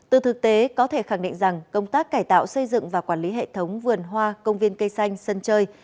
từ thực tế có thể khẳng định rằng công tác cải tạo xây dựng và quản lý hệ thống vườn hoa công viên cây xanh sân chơi